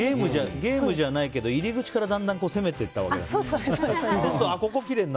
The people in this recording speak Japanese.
ゲームじゃないけど入り口からだんだん攻めていったほうがいい。